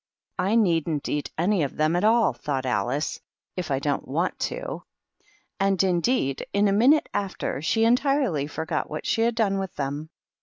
"I needn't eat any of them at all," thought AHce, " if I don't want to." And, indeed, in a minute after she entirely forgot what she had done with them.